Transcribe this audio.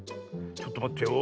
ちょっとまってよ。